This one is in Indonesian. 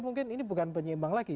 mungkin ini bukan penyeimbang lagi